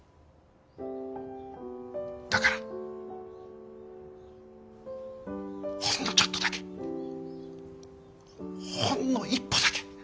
だからほんのちょっとだけほんの一歩だけ。